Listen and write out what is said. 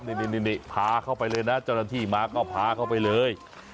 นี่พาเข้าไปเลยนะเจ้าหน้าที่มาก็พาเข้าไปเลย